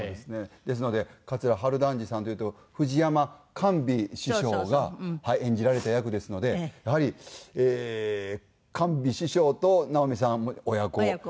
ですので桂春団治さんっていうと藤山寛美師匠が演じられた役ですのでやはりえー寛美師匠と直美さん親子。